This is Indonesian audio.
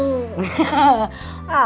ya sudah dulu